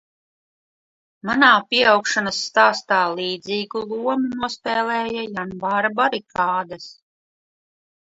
Manā pieaugšanas stāstā līdzīgu lomu nospēlēja janvāra barikādes.